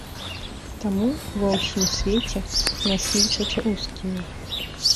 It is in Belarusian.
Таму ва ўсім свеце нас лічаць рускімі.